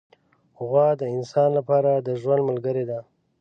غوا د انسان لپاره د ژوند ملګرې ده.